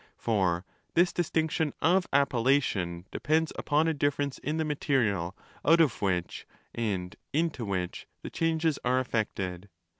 For this distinction of appellation depends upon 35 a difference in the material out of which, and into which, the changes are effected.